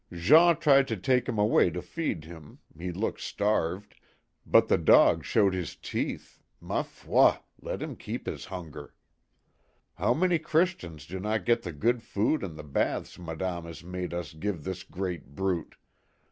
Jean tried to take him away to feed him he looks starved but the dog showed his teeth ma foil let him keep his hunger. How many Christians do not get the good food and the baths Madame has made us give this great brute